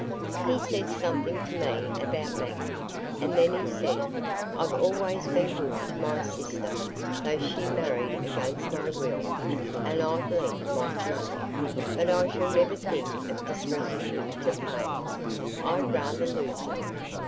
"He said something to me about Maggie, and then he said: 'I've always been good to my sister, though she married against my will, and I've lent Moss money; but I shall never think of distressing him to pay it; I'd rather lose it.